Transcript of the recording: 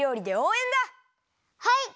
はい！